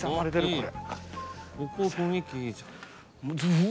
これ。